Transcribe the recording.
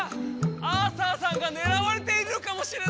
アーサーさんがねらわれているのかもしれない！